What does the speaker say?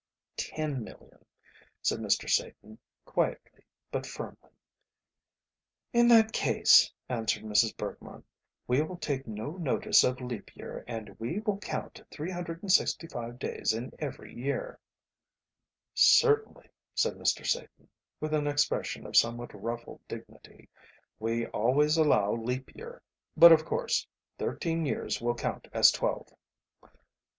"Ten million," said Mr. Satan, quietly but firmly. "In that case," answered Mrs. Bergmann, "we will take no notice of leap year, and we will count 365 days in every year." "Certainly," said Mr. Satan, with an expression of somewhat ruffled dignity, "we always allow leap year, but, of course, thirteen years will count as twelve."